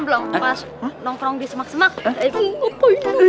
bunda yang kentut sama bunda rambutnya ini